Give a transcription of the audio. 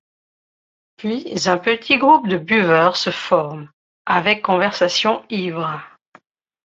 Puis un petit groupe de buveurs se forme, avec conversation ivre.